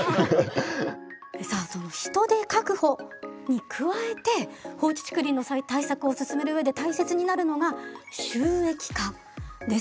さあその人手確保に加えて放置竹林の対策を進める上で大切になるのが収益化です。